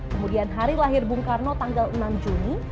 kemudian hari lahir bung karno tanggal enam juni